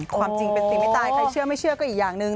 ความจริงเป็นสิ่งไม่ตายใครเชื่อไม่เชื่อก็อีกอย่างหนึ่ง